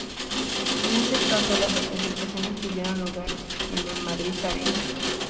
En este caso, las representaciones tuvieron lugar en el Madrid Arena.